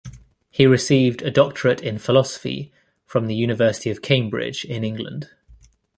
He received a doctorate in philosophy from the University of Cambridge in England.